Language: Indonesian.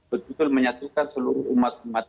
beruntung menyatukan seluruh umat umat